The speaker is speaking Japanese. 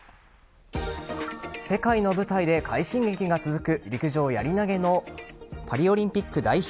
世界の舞台で快進撃が続く陸上・やり投のパリオリンピック代表